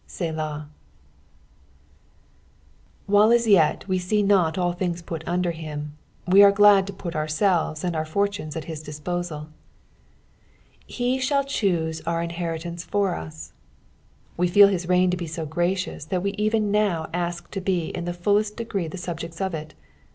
Selah. While as yet we see not all things put under him, we are glad to put ourselves and our fortunes at his disposal. " He ihaU ckooae our inheriUinee/or ui." We feel his reign to be so gracious that we even now ask to be in the fullest degree the subjects of it.